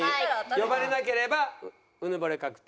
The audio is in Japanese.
呼ばれなければうぬぼれ確定。